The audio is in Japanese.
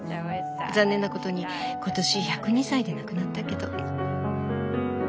残念なことに今年１０２歳で亡くなったけど。